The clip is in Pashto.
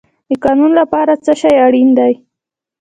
د قانون لپاره څه شی اړین دی؟